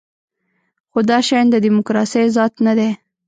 خو دا شیان د دیموکراسۍ ذات نه دی.